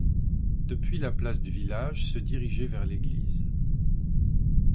Depuis la place du village se diriger vers l'église.